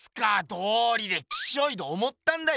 どうりでキショイと思ったんだよ！